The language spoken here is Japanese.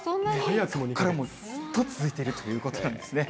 早くも２か月も続いているということなんですね。